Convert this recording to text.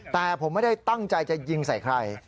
แต่ผมไม่ได้ตั้งใจจะยิงใส่ใคร